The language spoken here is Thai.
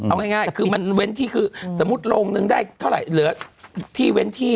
เอาง่ายคือมันเว้นที่คือสมมุติโรงนึงได้เท่าไหร่เหลือที่เว้นที่